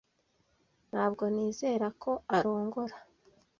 Ntabwo nizera ko arongora